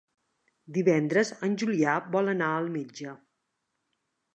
Divendres en Julià vol anar al metge.